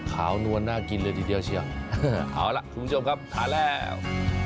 นวลน่ากินเลยทีเดียวเชียวเอาล่ะคุณผู้ชมครับทานแล้ว